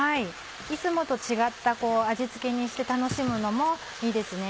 いつもと違った味付けにして楽しむのもいいですね。